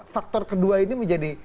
faktor kedua ini menjadi